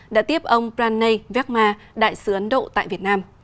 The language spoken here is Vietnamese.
đã tiếp ông pranay vekma đại sứ ấn độ tại việt nam